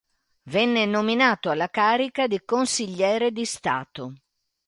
Venne nominato alla carica di consigliere di Stato.